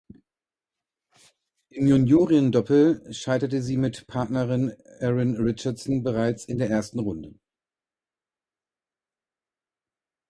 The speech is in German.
Im Juniorinnendoppel scheiterte sie mit Partnerin Erin Richardson bereits in der ersten Runde.